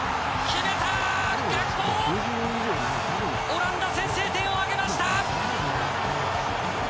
オランダ、先制点を挙げました！